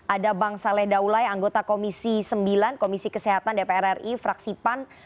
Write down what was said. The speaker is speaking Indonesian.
ada bang saleh daulay anggota komisi sembilan komisi kesehatan dpr ri fraksi pan